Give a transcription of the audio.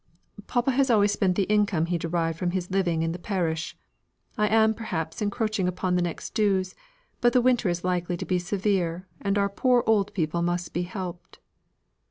"Papa has always spent the income he derived from his living in the parish. I am, perhaps, encroaching upon the next dues, but the winter is likely to be severe, and our poor people must be helped."